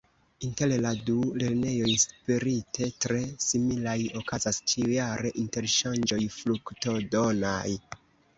Inter la du lernejoj spirite tre similaj okazas ĉiujare interŝanĝoj fruktodonaj.